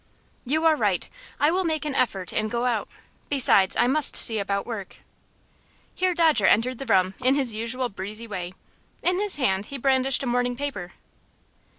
"You are right. I will make an effort and go out. Besides, I must see about work." Here Dodger entered the room in his usual breezy way. In his hand he brandished a morning paper.